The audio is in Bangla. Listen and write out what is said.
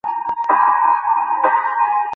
প্লিজ, আমার ক্ষতি কোরো না।